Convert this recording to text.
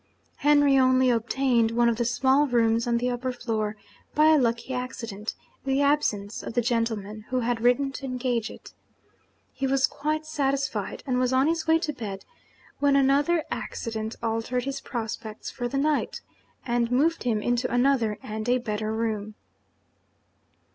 Henry only obtained one of the small rooms on the upper floor, by a lucky accident the absence of the gentleman who had written to engage it. He was quite satisfied, and was on his way to bed, when another accident altered his prospects for the night, and moved him into another and a better room.